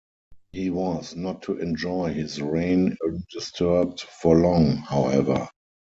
He was not to enjoy his reign undisturbed for long, however.